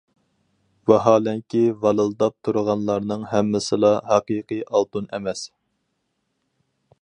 ۋاھالەنكى، ۋالىلداپ تۇرغانلارنىڭ ھەممىسىلا ھەقىقىي ئالتۇن ئەمەس.